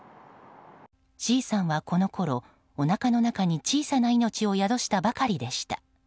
Ｃさんはこのころおなかの中に小さな命を宿したばかりでした。